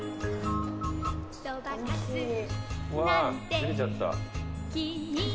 うわずれちゃった。